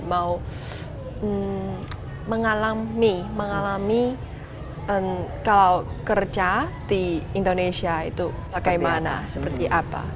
mau mengalami mengalami kalau kerja di indonesia itu bagaimana seperti apa